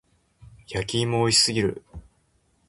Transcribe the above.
焼き芋美味しすぎる。